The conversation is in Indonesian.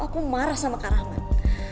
aku marah sama kak rahmat